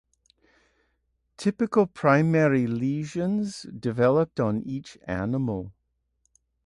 Typical primary lesions developed on each animal.